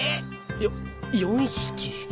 よ４匹？